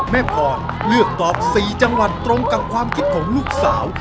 แม่พรเลือกตอบ๔จังหวัดตรงกับความคิดของลูกสาว